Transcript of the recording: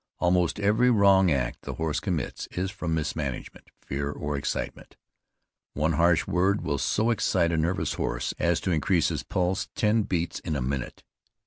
Almost every wrong act the horse commits is from mismanagement, fear or excitement; one harsh word will so excite a nervous horse as to increase his pulse ten beats in a minute.